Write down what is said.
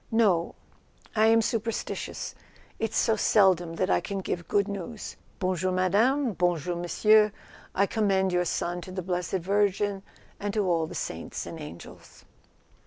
"No. I am super¬ stitious; it's so seldom that I can give good news. Bon jour , madame , bonjour , monsieur. I commend your son to the blessed Virgin and to all the saints and angels."